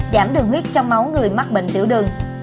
giảm đường huyết trong máu người mắc bệnh tiểu đường